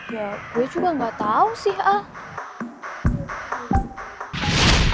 ya gue juga gak tahu sih al